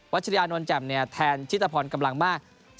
วัชิริยานวรแจ่มแทนชิตพรกำลังมาก